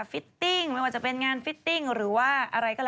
ฟิตติ้งไม่ว่าจะเป็นงานฟิตติ้งหรือว่า